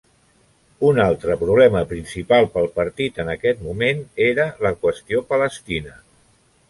Un altre problema principal pel partit en aquest moment era la qüestió palestina.